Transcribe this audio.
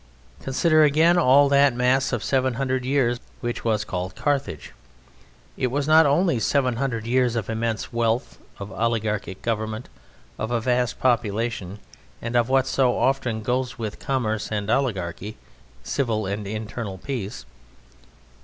Consider, again, all that mass of seven hundred years which was called Carthage. It was not only seven hundred years of immense wealth, of oligarchic government, of a vast population, and of what so often goes with commerce and oligarchy civil and internal peace.